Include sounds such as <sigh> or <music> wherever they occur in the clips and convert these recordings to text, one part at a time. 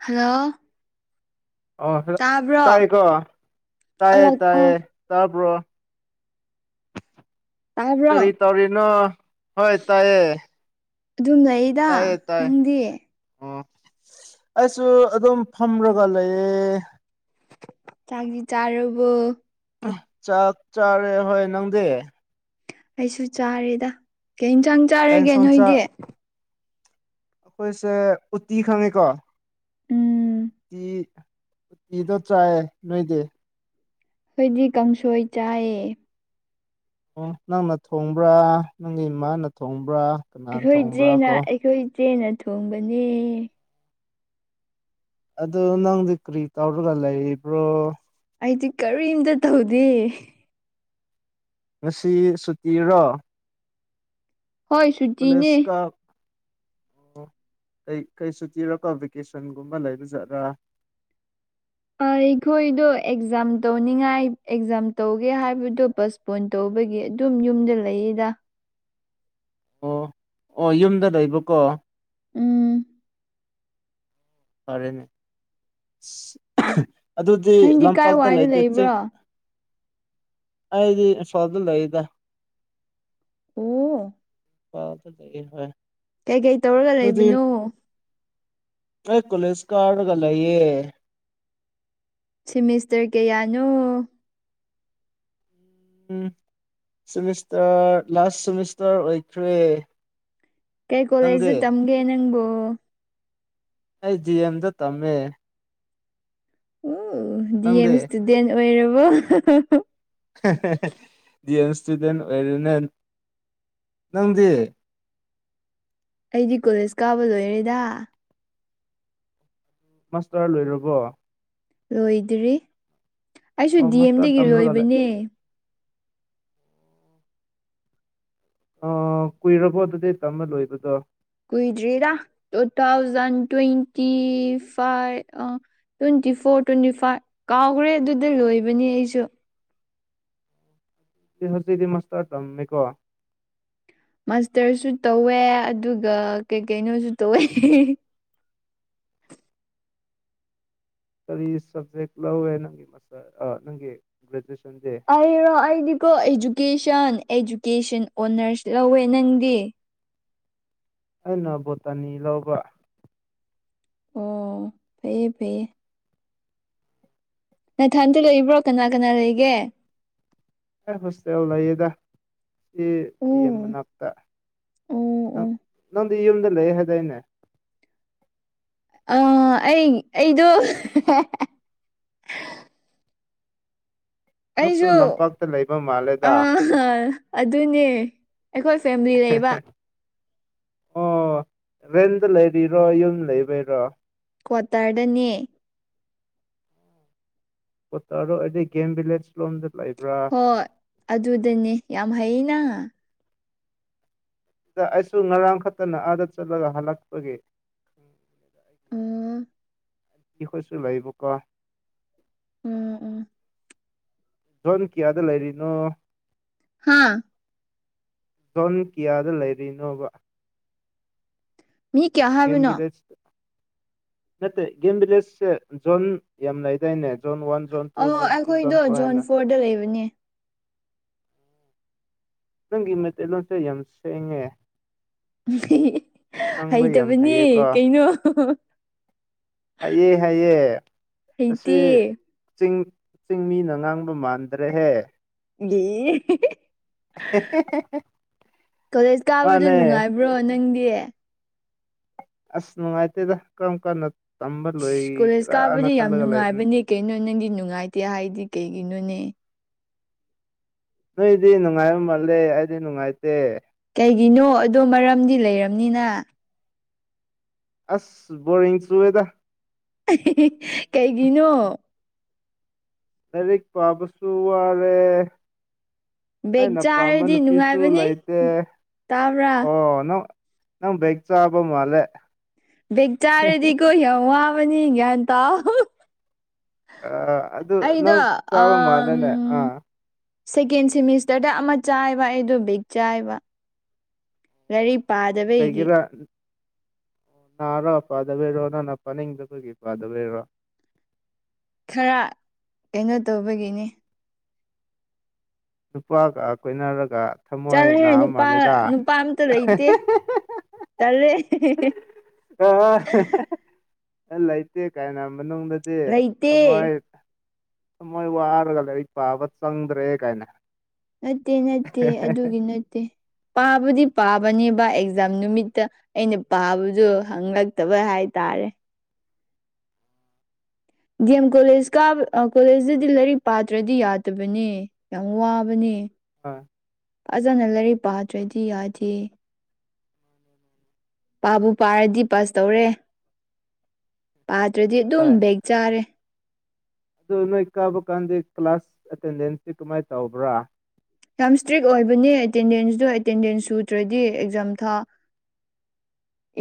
hello ꯑꯣ hello ꯇꯥꯕ꯭ꯔꯣ ꯇꯥꯏꯌꯦꯀꯣ ꯇꯥꯏꯌꯦ ꯑꯥ ꯑꯥ ꯇꯥꯏꯌꯦ ꯇꯥꯕꯔꯣ ꯇꯥꯕꯔꯣ ꯇꯧꯔꯤꯅꯣ ꯍꯣꯏ ꯇꯥꯏꯌꯦ ꯑꯗꯨꯝ ꯂꯩꯌꯦ ꯇꯥꯏꯌꯦ ꯇꯥꯏꯌꯦ ꯑꯣ ꯑꯩꯁꯨ ꯑꯗꯨꯝ ꯐꯝꯔꯒ ꯂꯩꯌꯦ ꯆꯥꯛꯗꯤ ꯆꯥꯔꯕꯣ ꯆꯥꯛ ꯆꯥꯔꯦ ꯍꯣꯏ ꯅꯪꯗꯤ ꯑꯩꯁꯨ ꯆꯥꯔꯦꯗ ꯀꯩ ꯏꯟꯖꯥꯡ ꯀꯩ ꯆꯥꯔꯒꯦ ꯅꯣꯏꯗꯤ ꯑꯈꯣꯏꯁꯦ ꯎꯠꯇꯤ ꯈꯪꯉꯦꯀꯣ ꯎꯝ ꯎꯠꯇꯤ ꯏꯗꯣ ꯆꯥꯏꯌꯦ ꯅꯣꯏꯗꯤ ꯑꯩꯈꯣꯏꯗꯤ ꯀꯥꯡꯁꯣꯏ ꯆꯥꯏꯌꯦ ꯑꯣ ꯅꯪꯅ ꯊꯣꯡꯕ꯭ꯔꯥ ꯅꯪꯒꯤ ꯏꯃꯥꯅ ꯊꯣꯡꯕ꯭ꯔꯥ ꯀꯅꯥꯅ ꯑꯩꯈꯣꯏ ꯊꯣꯡꯕ꯭ꯔꯥ ꯆꯦꯅ ꯀꯣ ꯑꯩꯈꯣꯏ ꯆꯦꯅ ꯊꯣꯡꯕꯅꯦ ꯑꯗꯨ ꯅꯪꯗꯤ ꯀ꯭ꯔꯤ ꯇꯧꯔꯒ ꯂꯩꯔꯤꯕ꯭ꯔꯣ ꯑꯩꯗꯤ ꯀꯔꯤꯝꯇ ꯇꯧꯗꯦ ꯉꯁꯤ ꯁꯨꯇꯤꯔꯣ ꯍꯣꯏ ꯀꯣꯂꯦꯁ ꯁꯨꯇꯤꯅꯦ ꯀꯥꯞ ꯑꯣ ꯀꯩ ꯀꯩ ꯁꯨꯇꯤꯔꯥꯀꯣ ꯚꯦꯀꯦꯁꯟꯒꯨꯝꯕ ꯂꯩꯕꯖꯥꯠꯂꯥ ꯑꯩꯈꯣꯏꯗꯣ ꯑꯦꯛꯖꯥꯝ ꯇꯧꯅꯤꯡꯉꯥꯏ ꯑꯦꯛꯖꯥꯝ ꯇꯧꯒꯦ ꯍꯥꯏꯕꯗꯣ ꯕꯁ ꯄꯣꯟ ꯇꯧꯕꯒꯤ ꯑꯗꯨꯝ ꯌꯨꯝꯗ ꯂꯩꯌꯦꯗ ꯑꯣ ꯑꯣ ꯌꯨꯝꯗ ꯂꯩꯕꯀꯣ ꯎꯝ ꯐꯔꯦꯅꯦ ꯏꯁ ꯑꯗꯨꯗꯤ ꯅꯪꯗꯤ ꯀꯥꯏ ꯂꯝꯄꯥꯛꯇ ꯋꯥꯏꯗ ꯂꯩꯇꯦ ꯆꯤꯡ ꯂꯩꯕ꯭ꯔꯣ ꯑꯩꯗꯤ ꯑꯁꯣꯜꯗ ꯂꯩꯗ ꯑꯣ <unintelligible> ꯀꯩ ꯀꯩ ꯇꯧꯔꯒ ꯑꯗꯨꯗꯤ ꯂꯩꯕꯅꯣ ꯑꯩ ꯀꯣꯂꯦꯁ ꯀꯥꯔꯒ ꯂꯩꯌꯦ ꯁꯤꯃꯤꯁꯇꯔ ꯀꯌꯥꯅꯣ ꯎꯝ ꯁꯤꯃꯤꯁꯇꯔ ꯂꯥꯁ ꯁꯤꯃꯤꯁꯇꯔ ꯑꯣꯏꯈ꯭ꯔꯦ ꯀꯩ ꯅꯪꯗꯤ ꯀꯣꯂꯦꯖꯇ ꯇꯝꯒꯦ ꯅꯪꯕꯨ ꯑꯩ ꯗꯤ ꯌꯦꯝ ꯗ ꯇꯝꯃꯦ ꯎ ꯗꯤ ꯅꯪꯗꯤ ꯑꯦꯝ ꯏꯁꯇꯨꯗꯦꯟ ꯑꯣꯏꯔꯕꯣ ꯗꯤ ꯑꯦꯝ ꯏꯁꯇꯨꯗꯦꯟ ꯑꯣꯏꯔꯦꯅꯦ ꯅꯪꯗꯤ ꯑꯩꯗꯤ ꯀꯣꯂꯦꯖ ꯀꯥꯕ ꯂꯣꯏꯔꯦꯗ ꯃꯥꯁꯇꯔ ꯂꯣꯏꯔꯕꯣ ꯂꯣꯏꯗ꯭ꯔꯤ ꯑꯩꯁꯨ ꯑꯣ ꯗꯤ ꯃꯥꯁꯇꯔ ꯑꯦꯝꯗꯒꯤ ꯇꯝꯔꯒ ꯂꯩ ꯂꯣꯏꯕꯅꯦ ꯑ ꯀꯨꯏꯔꯕꯣ ꯑꯗꯨꯗꯤ ꯇꯝꯕ ꯂꯣꯏꯕꯗꯣ ꯀꯨꯏꯗ꯭ꯔꯤꯗ ꯇꯨꯊꯥꯎꯖꯟ ꯇꯣꯏꯟꯇꯤ ꯐꯥꯏꯚ ꯑ ꯇ꯭ꯋꯦꯟꯇꯤ ꯐꯣꯔ ꯇ꯭ꯋꯦꯟꯇꯤ ꯐꯥꯏꯚ ꯀꯥꯎꯈ꯭ꯔꯦ ꯑꯗꯨꯗ ꯂꯣꯏꯕꯅꯤ ꯑꯩꯁꯨ ꯍꯁꯤꯗꯤ ꯃꯁ ꯑꯣꯏ ꯇꯝꯃꯦꯀꯣ ꯃꯥꯁꯇꯔꯁꯨ ꯇꯧꯋꯦ ꯑꯗꯨꯒ ꯀꯩ ꯀꯩꯅꯣꯁꯨ ꯇꯧꯋꯦ ꯀꯔꯤ ꯁꯕꯖꯦꯛ ꯂꯧꯋꯦ ꯅꯪꯒꯤ ꯃꯥꯁꯇꯔ ꯅꯪꯒꯤ ꯒ꯭ꯔꯦꯖꯨꯑꯦꯁꯟꯁꯦ ꯑꯩꯔꯣ ꯑꯩꯗꯤꯀꯣ ꯏꯖꯨꯀꯦꯁꯟ ꯑꯦꯖꯨꯀꯦꯁꯟ ꯑꯣꯅꯔꯁ ꯂꯧꯋꯦ ꯅꯪꯗꯤ ꯑꯩꯅ ꯕꯣꯇꯥꯅꯤ ꯂꯧꯕ ꯑꯣ ꯐꯩꯌꯦ ꯐꯩꯌꯦ ꯅꯊꯟꯇ ꯂꯏꯕ꯭ꯔꯣ ꯀꯅꯥ ꯀꯅꯥ ꯂꯩꯒꯦ ꯍꯁꯦ ꯂꯩꯍꯤꯗ ꯑꯦ ꯗꯤ ꯑꯦꯝ ꯎꯝ ꯃꯅꯥꯛꯇ ꯎꯝ ꯅꯪ ꯎꯝ ꯅꯪꯗꯤ ꯌꯨꯝꯗ ꯂꯩ ꯍꯥꯏꯗꯥꯏꯅꯦ ꯑ ꯑꯩ ꯑꯩꯗꯣ ꯅꯪꯁꯨ ꯂꯝꯄꯥꯛꯇ ꯂꯩ ꯑ ꯑꯗꯨꯅꯦ ꯑꯩꯈꯣꯏ ꯐꯦꯃꯤꯂꯤ ꯂꯩꯕ ꯑꯣ ꯔꯦꯟꯗ ꯂꯩꯔꯤꯔꯣ ꯌꯨꯝ ꯂꯩꯕꯩꯔꯣ ꯀ꯭ꯋꯥꯇꯔꯗꯅꯦ ꯣ ꯇꯔꯣ ꯑꯩꯗꯤ ꯒꯦꯝ ꯚꯤꯂꯦꯖ ꯂꯣꯝꯗ ꯂꯩꯕ꯭ꯔꯥ ꯍꯣꯏ ꯑꯗꯨꯗꯅꯦ ꯌꯥꯝ ꯍꯩꯅ ꯑꯩꯁꯨ ꯉꯔꯥꯡ ꯈꯛꯇꯅ ꯑꯥꯗ ꯆꯠꯂꯒ ꯍꯜꯂꯛꯄꯒꯤ ꯑ ꯀ ꯀꯣꯏꯁꯨ ꯂꯚꯕꯨ ꯀꯣ ꯎꯝ ꯎꯝ ꯖꯣꯟ ꯀꯤꯌꯥꯗ ꯂꯩꯔꯤꯅꯣ ꯍꯥꯝ ꯁꯣꯟ ꯀꯤꯌꯥꯗ ꯂꯩꯔꯤꯅꯣꯕ ꯃꯤ ꯀꯌꯥ ꯦꯝ ꯍꯥꯏꯕꯅꯣ ꯤꯗꯤꯑꯣꯁ ꯅꯠꯇꯦ ꯒꯦꯝ ꯚꯤꯂꯦꯖꯁꯦ ꯖꯣꯟ ꯌꯥꯝꯅ ꯂꯩꯗꯥꯏꯅꯦ zone one zone two zone three zone four ꯍꯥꯏꯅ ꯗ ꯂꯩꯕꯅꯦ ꯅꯪꯒꯤ ꯃꯩꯇꯩꯂꯣꯟꯁꯦ ꯌꯥꯝ ꯁꯦꯡꯉꯦ ꯉꯥꯡꯕ ꯌꯥꯝ ꯍꯩꯇꯕꯅꯦ ꯍꯩꯌꯦꯀꯣ ꯀꯩꯅꯣ ꯍꯥꯏꯑꯦ ꯍꯥꯏꯌꯦꯦ ꯑꯁꯤ ꯍꯩꯇꯦ ꯆꯤꯡ ꯆꯤꯡ ꯃꯤꯅ ꯉꯥꯡꯕ ꯃꯥꯟꯗ꯭ꯔꯦꯍꯦ ꯒꯤ ꯀꯣꯂꯦꯖ ꯀꯥꯕꯗꯨ ꯃꯥꯅꯦ ꯅꯨꯡꯉꯥꯏꯕ꯭ꯔꯣ ꯅꯪꯗꯤ ꯑꯁ ꯅꯨꯡꯉꯥꯏꯇꯦꯗ ꯀꯔꯝ ꯀꯥꯟꯅ ꯇꯝꯕ ꯏꯁ ꯀꯣꯂꯦꯖ ꯂꯣꯏꯒꯦꯔꯥꯅ ꯀꯥꯕꯗꯤ ꯌꯥꯝ ꯈꯜꯂꯒ ꯂꯩꯕꯅꯦ ꯅꯨꯡꯉꯥꯏꯕꯅꯦ ꯀꯩꯅꯣ ꯅꯪꯒꯤ ꯅꯨꯡꯉꯥꯏꯇꯦ ꯍꯥꯏꯗꯤ ꯀꯩꯒꯤꯅꯣꯅꯦ ꯅꯣꯏꯗꯤ ꯅꯨꯡꯉꯥꯏꯕ ꯃꯥꯜꯂꯦ ꯑꯩꯗꯤ ꯅꯨꯡꯉꯥꯏꯇꯦ ꯀꯩꯒꯤꯅꯣ ꯑꯗꯣ ꯃꯔꯝꯗꯤ ꯂꯩꯔꯕꯝꯅꯤꯅ ꯑꯁ ꯕꯔꯤꯡ ꯆꯨꯋꯦꯗ ꯀꯩꯒꯤꯅꯣ ꯗꯥꯔꯛ ꯄ ꯁꯨ ꯑꯔꯦ ꯕꯦꯛ ꯑꯩꯅ ꯄꯥꯝꯕ ꯆꯥꯔꯗꯤ ꯅꯨꯄꯤꯁꯨ ꯅꯨꯡꯉꯥꯏꯕꯅꯤ ꯂꯩꯇꯦ ꯇꯥꯕ꯭ꯔꯥ ꯑꯣ ꯅꯪ ꯅꯪ ꯕꯛ ꯆꯕ ꯃꯥꯂꯦ ꯦꯆꯔꯗꯤꯀ ꯍꯦ ꯋꯥꯕ ꯭ꯇ ꯑꯥ ꯑꯗꯨ ꯑꯩꯗ ꯅꯪ ꯑ ꯆꯥꯕ ꯃꯥꯜꯂꯦꯅꯦ ꯑꯥ ꯁꯦꯀꯦꯟ ꯁꯤꯦꯃꯤꯁꯇꯔꯗ ꯑꯃ ꯆꯥꯏꯕ ꯑꯩꯗꯣ ꯕꯤꯒ ꯆꯥꯏꯕ ꯀ ꯄꯗꯕ ꯀꯩꯒꯤꯔꯥ ꯅꯔꯣ ꯄꯥꯗꯕꯤꯔꯣ ꯅꯥꯟ ꯄꯅꯤꯡꯗꯣꯏꯒꯤꯦ ꯄꯥꯗꯕꯤꯦꯔꯕꯣ ꯈꯔ ꯀꯩꯅꯣ ꯇꯧꯕꯒꯤꯅꯤ ꯅꯨꯄꯥꯒ ꯀꯣꯏꯅꯔꯒ ꯊꯃꯣꯏ ꯆꯠꯂꯦ ꯅꯥꯕ ꯅꯨꯄꯥ ꯃꯥꯜꯂꯦꯗ ꯅꯨꯄꯥ ꯑꯝꯇ ꯂꯩꯇꯦ ꯇꯜꯂꯦ ꯑ ꯂꯩꯇꯦ ꯀꯥꯏꯅ ꯃꯅꯨꯡꯗꯗꯤ ꯂꯩꯇꯦ ꯊꯃꯣꯏ ꯃꯣꯏ ꯋꯥꯔꯒ ꯔꯤꯛ ꯄꯥꯕ ꯆꯪꯗ꯭ꯔꯦ ꯀꯥꯏꯅ ꯅꯠꯇꯦ ꯅꯠꯇꯦ ꯑꯗꯨꯒꯤ ꯅꯠꯇꯦ ꯄꯥꯕꯨꯗꯤ ꯄꯥꯕꯅꯦꯕ ꯑꯦꯛꯖꯥꯝ ꯅꯨꯃꯤꯠꯇ ꯑꯩꯅ ꯄꯥꯕꯖꯨ ꯍꯪꯉꯛꯇꯕ ꯍꯥꯏꯇꯥꯔꯦ ꯗꯤꯑꯦꯝ ꯀꯣꯂꯦꯖ ꯀꯥ ꯀꯣꯂꯦꯖꯇꯗꯤ ꯂꯥꯏꯔꯤꯛ ꯄꯥꯇ꯭ꯔꯗꯤ ꯌꯥꯗꯕꯅꯦ ꯌꯥꯝ ꯋꯥꯕꯅꯦ ꯍ ꯑꯗꯨꯅ ꯂꯥꯏꯔꯤꯛ ꯄꯥꯠꯇ꯭ꯔꯗꯤ ꯌꯥꯗꯦ ꯄꯥꯕꯨ ꯄꯥꯔꯗꯤ ꯄꯁ ꯇꯧꯔꯦ ꯄꯥꯗ꯭ꯔꯗꯤ ꯑꯗꯨꯝ ꯍꯣꯏ ꯕꯦꯛ ꯆꯥꯔꯦ ꯑꯗꯨ ꯅꯣꯏ ꯀꯥꯕ ꯀꯥꯟꯗ ꯀ꯭ꯂꯥꯁ ꯑꯦꯇꯦꯟꯗꯦꯟꯁꯇꯤ ꯀꯃꯥꯏ ꯇꯧꯕ꯭ꯔꯥ ꯌꯥꯝ ꯏꯁꯇ꯭ꯔꯤꯛ ꯑꯣꯏꯕꯅꯦ ꯑꯦꯇꯦꯟꯗꯦꯟꯁꯇꯣ ꯑꯦꯇꯦꯟꯗꯦꯟꯁ ꯁꯨꯗ꯭ꯔꯗꯤ ꯑꯦꯛꯖꯥꯝ ꯊꯥ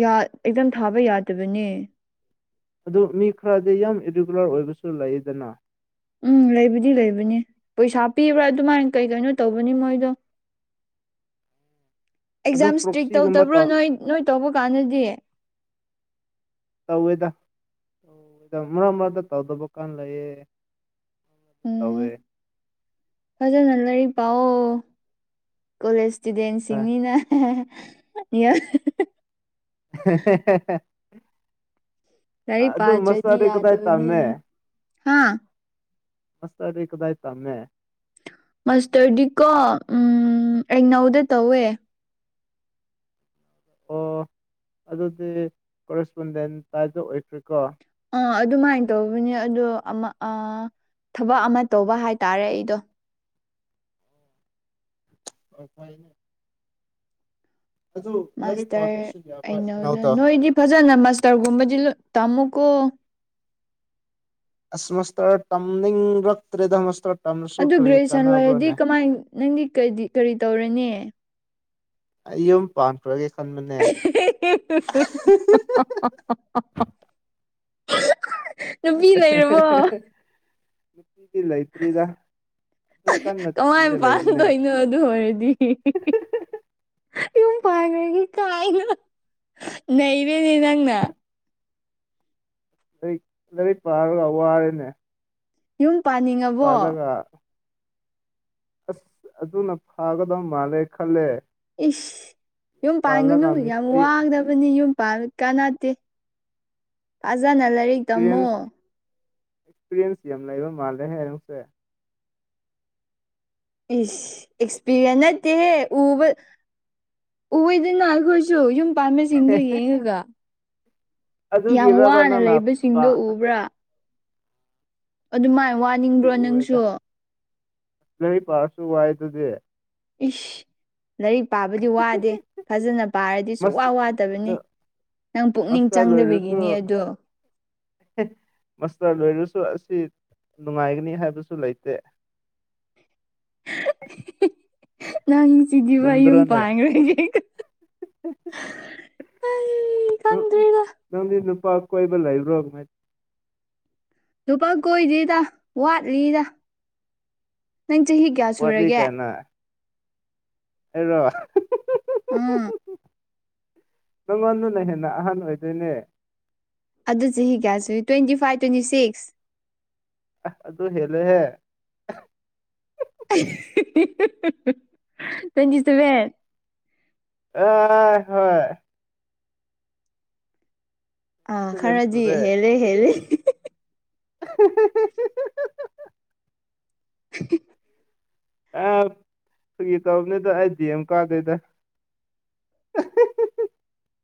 ꯌꯥ ꯑꯦꯛꯖꯝ ꯊꯥꯕ ꯌꯥꯗꯕꯅꯦ ꯑꯗꯨ ꯃꯤ ꯈꯔꯗꯤ ꯌꯥꯝ ꯏꯔꯤꯒꯨꯂꯔ ꯑꯣꯏꯕꯁꯨ ꯂꯩꯗꯅ ꯎꯝ ꯂꯩꯕꯗꯤ ꯂꯩꯕꯅꯤ ꯄꯩꯁꯥ ꯄꯤꯕ꯭ꯔꯥ ꯑꯗꯨꯃꯥꯏꯅ ꯀꯩ ꯀꯩꯅꯣ ꯇꯧꯕꯅꯤ ꯃꯣꯏꯗꯣ <inaudible> ꯑꯦꯛꯖꯥꯝ ꯏꯁꯇ꯭ꯔꯤꯛ ꯄ꯭ꯔꯣꯛꯁꯤꯒꯨꯝꯕ ꯇꯧꯗꯕ꯭ꯔꯣ ꯅꯣꯏ ꯅꯣꯏ ꯇꯧꯕ ꯀꯥꯟꯗꯗꯤ ꯇꯧꯋꯦꯗ ꯃꯔꯛ ꯃꯔꯛꯇ ꯇꯧꯗꯕ ꯀꯥꯟ ꯂꯩꯌꯦ ꯇꯧꯋꯦ ꯎꯝ ꯐꯖꯅ ꯂꯩꯔꯤꯛ ꯄꯥꯎ ꯀꯣꯂꯦꯖ ꯍꯣꯏ ꯏꯁꯇꯨꯗꯦꯟꯁꯤꯡꯅꯤꯅ ꯂꯥꯏꯔꯤꯛ ꯑꯗꯨ ꯑꯗꯨ ꯄꯥꯗ꯭ꯔꯗꯤ ꯃꯁꯥꯗꯤ ꯀꯗꯥꯏ ꯌꯥꯗꯕꯅꯦ ꯇꯝꯃꯦ ꯍꯥ ꯃꯁꯇꯔꯗꯤ ꯀꯗꯥꯏ ꯇꯝꯃꯦ ꯃꯥꯁꯇꯔꯗꯤꯀꯣ ꯎꯝ ꯑꯦꯛꯅꯧꯗ ꯇꯧꯋꯦ ꯑꯣ ꯑꯗꯨꯗꯤ ꯀꯣꯔꯦꯁꯄꯣꯟꯗꯦꯟ ꯇꯥꯏꯗ ꯑꯣꯏꯇ꯭ꯔꯤꯀꯣ ꯑꯥ ꯑꯗꯨꯃꯥꯏꯅ ꯇꯧꯕꯅꯦ ꯑꯗꯣ ꯑꯃ ꯑ ꯊꯕꯛ ꯑꯃ ꯇꯧꯕ ꯍꯥꯏꯇꯥꯔꯦ ꯑꯩꯗꯣ <unintelligible> ꯑꯗꯨ ꯂꯥꯏꯔꯤꯛ ꯃꯥꯁꯇꯔ ꯄꯥꯗ꯭ꯔꯁꯨ ꯌꯥꯕ꯭ꯔꯥ ꯑꯩꯅꯧꯗ ꯏꯛꯅꯧꯗ ꯅꯣꯏꯗꯤ ꯐꯖꯅ ꯃꯥꯁꯇꯔꯒꯨꯝꯕꯗꯤ ꯇꯥꯝꯃꯨꯀꯣ ꯑꯁ ꯃꯁꯇꯔ ꯇꯝꯅꯤꯡꯔꯛꯇ꯭ꯔꯦꯗ ꯃꯁꯇꯔ ꯇꯝꯂꯁꯨ ꯑꯗꯨ ꯀꯔꯤ ꯒ꯭ꯔꯦꯖꯨꯑꯦꯁꯟ ꯂꯣꯏꯔꯗꯤ ꯀꯥꯟꯅꯕ꯭ꯔꯣꯅꯦ ꯀꯃꯥꯏ ꯅꯪꯗꯤ ꯀ ꯀꯔꯤ ꯇꯧꯔꯅꯤ ꯑꯌꯨꯝ ꯄꯥꯟꯕꯒꯤ ꯈꯟꯕꯅꯦ <unintelligible> ꯅꯨꯄꯤ ꯂꯩꯔꯕꯣ ꯅꯨꯄꯤ ꯂꯩꯇ꯭ꯔꯤꯗ ꯑꯗꯨꯛ ꯀꯟꯅ ꯊꯤꯔ ꯂꯩꯕꯅꯦ ꯅ ꯑꯗꯨ ꯑꯣꯏꯔꯗꯤ <inaudible> ꯄꯥꯜꯂꯅꯤ ꯀꯥꯏꯅ ꯅꯩꯔꯦꯅꯦ ꯅꯪꯅ ꯂꯥꯏꯔꯤꯛ ꯂꯥꯏꯔꯤꯛ ꯄꯥꯔꯒ ꯋꯥꯔꯦꯅꯦ ꯌꯨꯝ ꯄꯥꯅꯤꯡꯉꯕꯣ ꯄꯥꯜꯂꯒ ꯑꯁ ꯑꯗꯨꯅ ꯐꯥꯒꯗꯧ ꯃꯥꯜꯂꯦ ꯈꯜꯂꯦ ꯏꯁ ꯌꯨꯝ ꯄꯥꯜꯂꯒ ꯄꯥꯟꯒꯅꯨ ꯌꯥꯝ ꯃꯤꯁꯇ꯭ꯔꯤ ꯋꯥꯡꯗ ꯗꯤ ꯌꯨꯝ ꯄꯥꯜ ꯀꯥꯟꯅꯗꯦꯇꯦ ꯐꯖꯅ ꯂꯥꯏꯔꯤꯛ ꯇꯝꯃꯣ ꯑꯦꯛꯁꯄꯤꯔꯌꯦꯟꯁ ꯑꯦꯛꯁꯄꯤꯔꯤꯌꯦꯟꯁ ꯌꯥꯝ ꯂꯩꯕ ꯃꯥꯜꯂꯦ ꯍꯦ ꯅꯁꯦ ꯏ ꯑꯦꯛꯁꯄꯤꯔ꯭ꯌꯦꯟꯁ ꯅꯠꯇꯦꯍꯦ ꯎꯕ ꯎꯏꯗꯅ ꯑꯈꯣꯏꯁꯨ ꯌꯨꯝ ꯄꯥꯟꯕꯁꯤꯡꯗꯣ ꯌꯦꯡꯉꯒ ꯌꯥꯝ ꯑꯗꯨꯒꯤꯔꯕ ꯋꯥꯅ ꯅꯪꯅ ꯂꯩꯕꯁꯤꯡꯗꯣ ꯄꯥꯝꯗꯤ ꯎꯕ꯭ꯔꯥ ꯑꯗꯨꯃꯥꯏ ꯎꯦꯗ ꯅꯣꯏ ꯄꯥꯔꯁꯨ ꯋꯥꯏꯗꯨꯗꯤ ꯏꯁ ꯂꯥꯏꯔꯤꯛ ꯄꯥꯕꯗꯤ ꯋꯥꯗꯦ ꯐꯖꯅ ꯄꯥꯔꯗꯤ ꯁꯨꯡ ꯃꯁ ꯋꯥ ꯑꯗꯨ ꯋꯥꯗꯕꯅꯤ ꯅꯪ ꯄꯨꯛꯅꯤꯡ ꯃꯁꯇꯔ ꯂꯣꯏꯔꯁꯨ ꯆꯪꯗꯕꯤꯒꯤꯅꯦ ꯑꯗꯣ ꯃꯁꯇꯔ ꯂꯣꯏꯔꯁꯨ ꯑꯁꯤ ꯅꯨꯡꯉꯥꯏꯒꯅꯤ ꯍꯥꯏꯕꯁꯨ ꯂꯩꯇꯦ ꯅꯪ ꯆꯤꯗꯤꯕ ꯌꯨꯝ ꯆꯨꯝꯗ꯭ꯔꯣꯅꯦ ꯄꯥꯟꯈ꯭ꯔꯦꯁꯦ <inaudible> ꯑꯩ ꯈꯪꯗ꯭ꯔꯦꯗ ꯅꯪꯗꯤ ꯅꯨꯄꯥ ꯀꯣꯏꯕ ꯂꯩꯕ꯭ꯔꯣ ꯂꯨꯄꯥ ꯀꯣꯏꯗꯦꯗ ꯋꯥꯠꯂꯤꯗ ꯅꯪ ꯆꯍꯤ ꯀ꯭ꯌꯥ ꯋꯥꯠꯂꯤ ꯀꯥꯏꯅ ꯑꯩꯔꯣ ꯎꯝ ꯅꯪꯉꯣꯟꯗꯨꯅ ꯍꯦꯟꯅ ꯑꯍꯟ ꯑꯣꯏꯗꯣꯏꯅꯦ ꯑꯗꯨ ꯆꯍꯤ ꯀꯌꯥꯁꯤ ꯇ꯭ꯋꯦꯟꯇꯤ ꯐꯥꯏꯚ ꯇ꯭ꯋꯦꯟꯇꯤ ꯁꯤꯛꯁ ꯑꯥꯁ ꯑꯗꯨ ꯍꯦꯂꯦꯍꯦ ꯇꯣꯏꯟꯇꯤ ꯁꯕꯦꯟ ꯑ ꯍꯣꯏ ꯑ ꯁꯚꯦꯟ ꯈꯔꯗꯤ ꯁꯨꯔꯦ ꯍꯦꯜꯂꯤ ꯍꯦꯜꯂꯤ <unintelligible> <unintelligible> ꯑ ꯐꯒꯤ ꯇꯧꯕꯅꯤꯗ ꯑꯩ ꯗꯤ ꯑꯦꯝ ꯀꯥꯗꯦꯗ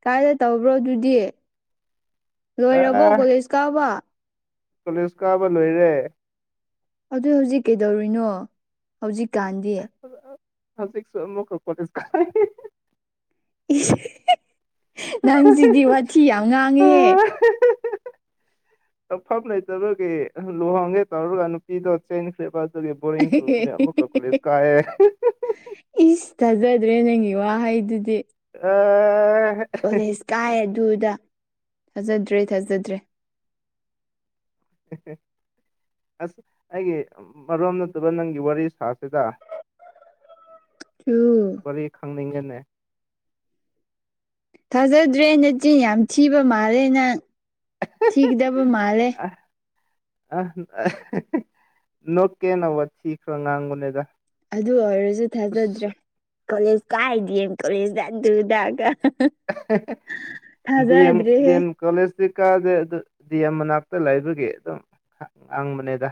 ꯀꯥꯏꯗ ꯇꯧꯕ꯭ꯔꯣ ꯑꯗꯨꯗꯤ ꯂꯣꯏꯔꯕꯣ ꯀꯣꯂꯦꯖ ꯀꯥꯕ ꯀꯣꯂꯦꯁ ꯀꯥꯕ ꯂꯣꯏꯔꯦ ꯑꯗꯨ ꯍꯧꯖꯤꯛ ꯀꯩꯗꯧꯔꯨꯏꯅꯣ ꯍꯧꯖꯤꯛꯀꯥꯟꯗꯤ ꯑꯥꯁ ꯑꯁꯥ ꯍꯧꯖꯤꯛꯁꯨ ꯑꯃꯣꯛꯀꯥ ꯀꯣꯂꯦꯖ ꯀꯔꯤ ꯏꯁ ꯅꯪꯁꯤꯗꯤ ꯋꯥꯊꯤ ꯌꯥꯝ ꯉꯥꯡꯉꯦꯍꯦ ꯑꯐꯝ ꯂꯩꯇꯕꯒꯤ ꯂꯨꯍꯣꯡꯒꯦ ꯇꯧꯔꯒ ꯅꯨꯄꯤꯗꯣ ꯆꯦꯟꯈ꯭ꯔꯦꯕ ꯑꯗꯨꯒꯤ ꯕꯣꯔꯤꯡ ꯆꯨꯕꯒꯤ ꯑꯃꯨꯛꯀ ꯀꯣꯂꯦꯁ ꯀꯥꯏꯑꯦ ꯏꯁ ꯊꯥꯖꯗ꯭ꯔꯦ ꯅꯪꯒꯤ ꯋꯥꯍꯩꯗꯨꯗꯤ ꯑ ꯀꯣꯂꯦꯖ ꯀꯥꯏ ꯑꯗꯨ ꯑꯗꯥ ꯊꯥꯖꯗ꯭ꯔꯦ ꯊꯥꯖꯗ꯭ꯔꯦ ꯎꯝ ꯎꯝ <unintelligible> ꯑꯁ ꯑꯩꯒꯤ ꯃꯔꯝ ꯅꯠꯇꯕ ꯅꯪꯒꯤ ꯋꯥꯔꯤ ꯁꯥꯁꯤꯗ <inaudible> ꯇꯨ ꯋꯥꯔꯤ ꯈꯪꯅꯤꯡꯉꯦꯅꯦ ꯊꯥꯖꯗ꯭ꯔꯦ ꯅꯆꯤꯡ ꯌꯥꯝ ꯊꯤꯕ ꯃꯥꯜꯂꯦ ꯅꯪ ꯊꯤꯒꯗꯕ ꯃꯥꯜꯂꯦ ꯑ ꯑ ꯅꯣꯛꯀꯦꯅ ꯋꯥꯊꯤ ꯈꯔ ꯉꯥꯡꯕꯅꯦꯗ ꯑꯗꯨ ꯑꯣꯏꯔꯖꯨ ꯊꯥꯖꯗ꯭ꯔꯦ ꯑꯁ ꯀꯣꯂꯦꯖ ꯀꯥꯏ ꯗꯤꯌꯦꯝ ꯀꯣꯂꯦꯖꯗ ꯑꯗꯨꯗꯒ ꯗꯦꯑꯦꯝ ꯊꯥꯖꯗ꯭ꯔꯦꯍꯦ ꯗꯦꯑꯦꯝ ꯀꯣꯂꯦꯖꯇꯤ ꯀꯥꯗꯦ ꯑꯗꯨ ꯗꯤ ꯑꯦꯝ ꯃꯅꯥꯛꯇ ꯂꯩꯕꯒꯤ ꯑꯗꯨꯝ ꯉꯥꯡꯕꯅꯤꯗ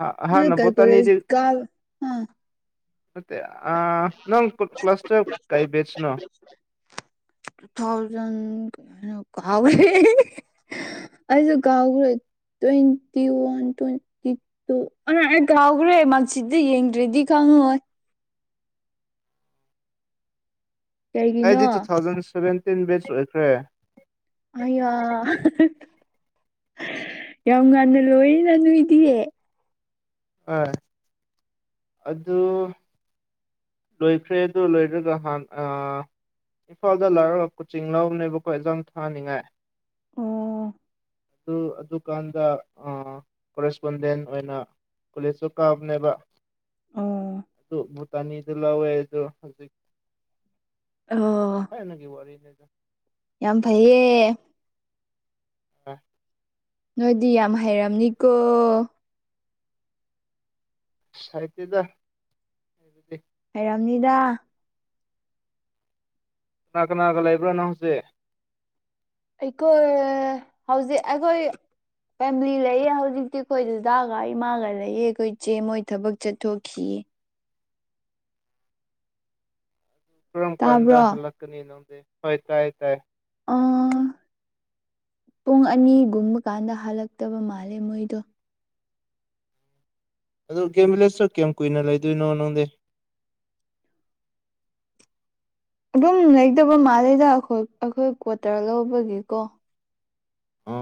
ꯍ ꯑꯗꯨ ꯍꯥꯅ ꯀꯩ ꯀꯣꯂꯦꯖ ꯕꯣꯇꯥꯅꯤꯗꯤ ꯀꯥꯕ ꯑ ꯅꯠꯇꯦ ꯑ ꯅꯪ ꯀ꯭ꯂꯥꯁ ꯇꯨꯌꯦꯞ ꯀꯔꯤ ꯕꯦꯁꯅꯣ ꯇꯨ ꯊꯥꯎꯖꯟ ꯀꯥꯎꯒꯔꯦ ꯑꯩꯖꯨ ꯀꯥꯎꯒꯔꯦ ꯇ꯭ꯋꯦꯟꯇꯤ ꯋꯥꯟ ꯇ꯭ꯋꯦꯟꯇꯤ ꯇꯨ ꯑꯩ ꯀꯥꯎꯒꯔꯦ ꯃꯥꯛꯁꯤꯠꯗ ꯌꯦꯡꯗ꯭ꯔꯗꯤ ꯈꯪꯉꯣꯏ ꯀꯩꯒꯤꯅꯣ ꯑꯩꯗꯤ ꯇꯨ ꯊꯥꯎꯖꯟ ꯁꯚꯦꯟꯇꯤꯟ ꯕꯦꯁ ꯑꯣꯏꯈ꯭ꯔꯦ ꯑꯌꯥ ꯌꯥꯝ ꯉꯟꯅ ꯂꯣꯏꯅ ꯅꯣꯏꯗꯤ ꯍꯣꯏ ꯑꯗꯨ ꯂꯣꯏꯈ꯭ꯔꯦ ꯑꯗꯨ ꯂꯣꯏꯈꯔꯒ ꯍꯥꯟ ꯑ ꯏꯝꯐꯥꯜꯗ ꯂꯥꯛꯑ ꯀꯣꯆꯤꯡ ꯂꯎꯕꯅꯦꯕꯀꯣ ꯑꯦꯛꯖꯥꯝ ꯊꯥꯅꯤꯡꯉꯥꯏ ꯑꯣ ꯑꯗꯨ ꯑꯗꯨꯀꯥꯟꯗ ꯑꯥ ꯀꯣꯔꯦꯁꯄꯣꯟꯗꯦꯟ ꯑꯣꯏꯅ ꯀꯣꯂꯦꯁꯁꯨ ꯀꯥꯕꯅꯦꯕ ꯑꯣ ꯑꯗꯨ ꯕꯣꯇꯅꯤꯖꯨ ꯂꯧꯋꯦ ꯑꯗꯨ ꯍꯧꯖꯤꯛ ꯑꯣ ꯊꯥꯏꯅꯒꯤ ꯋꯥꯔꯤꯅꯦꯗ ꯌꯥꯝ ꯐꯩꯌꯦ <unintelligible> ꯅꯣꯏꯗꯤ ꯌꯥꯝ ꯍꯩꯔꯝꯅꯤꯀꯣ ꯍꯩꯇꯦꯗ ꯍꯩꯔꯝꯅꯤꯗ ꯀꯅꯥ ꯀꯅꯥꯒ ꯂꯩꯕ꯭ꯔ ꯅꯪ ꯍꯧꯖꯤꯛ ꯑꯩꯈꯣꯏ ꯍꯧꯖꯤꯛ ꯑꯈꯣꯏ ꯐꯦꯝꯂꯤ ꯂꯩꯌꯦ ꯍꯧꯖꯤꯛꯇꯤ ꯑꯩꯈꯣꯏ ꯗꯗꯥꯒ ꯏꯃꯥꯒ ꯂꯩꯑꯦ ꯑꯩꯈꯣꯏ ꯏꯆꯦ ꯃꯣꯏ ꯊꯕꯛ ꯆꯠꯊꯣꯛꯈꯤꯌꯦ ꯀꯔꯝ ꯇꯥꯕ꯭ꯔꯣ ꯀꯥꯟꯗ ꯍꯜꯂꯛꯀꯅꯤ ꯅꯪꯗꯤ ꯍꯣꯏ ꯇꯥꯏꯌꯦ ꯇꯥꯏꯌꯦ ꯑ ꯄꯨꯡ ꯑꯅꯤꯒꯨꯝꯕ ꯀꯥꯟꯗ ꯍꯜꯂꯛꯇꯕ ꯃꯥꯜꯂꯦ ꯃꯣꯏꯗꯣ ꯑꯗꯨ ꯒꯦꯝꯕꯤꯂꯦꯁꯇ ꯀꯌꯥꯝ ꯀꯨꯏꯅ ꯂꯩꯗꯣꯏꯅꯣ ꯅꯪꯗꯤ ꯑꯗꯨꯝ ꯂꯩꯗꯣꯕ ꯃꯥꯜꯂꯤꯗ ꯑꯈꯣꯏ ꯑꯈꯣꯏ ꯀ꯭ꯋꯥꯇꯔ ꯂꯧꯕꯒꯤꯀꯣ ꯑ